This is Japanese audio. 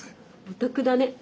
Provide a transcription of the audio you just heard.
お得だね。